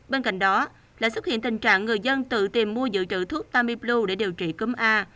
bên cạnh đó lại xuất hiện tình trạng người dân tự tìm mua dự trữ thuốc tamiblu để điều trị cúm a